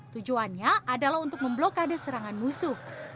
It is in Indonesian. tujuannya adalah untuk memblokade serangan musuh